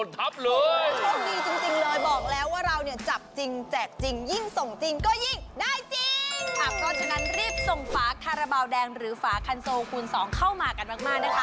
เพราะฉะนั้นรีบส่งฝาคาราบาลแดงหรือฝาคันโซคูณ๒เข้ามากันมากนะคะ